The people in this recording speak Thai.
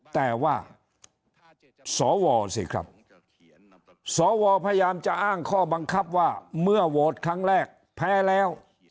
แต่ว่าสวสิครับสวพยายามจะอ้างข้อบังคับว่าเมื่อโหวตครั้งแรกแพ้แล้ว